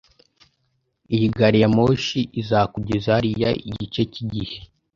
Iyi gari ya moshi izakugeza hariya igice cyigihe.